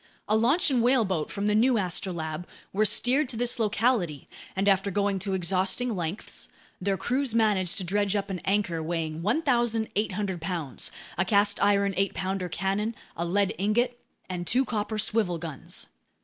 A launch and whaleboat from the new Astrolabe were steered to this locality, and after going to exhausting lengths, their crews managed to dredge up an anchor weighing 1,800 pounds, a cast iron eight pounder cannon, a lead ingot, and two copper swivel guns.